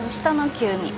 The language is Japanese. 急に。